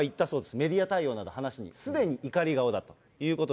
メディア対応などを話しに、すでに怒り顔だったと。